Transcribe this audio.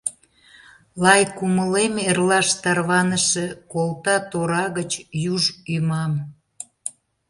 Лай кумылем, эрлаш тарваныше, Колта тора гыч юж ӱмам.